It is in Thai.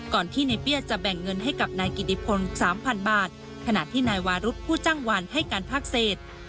ที่ในเปี้ยจะแบ่งเงินให้กับนายกิติพลสามพันบาทขณะที่นายวารุธผู้จ้างวันให้การภาคเศษ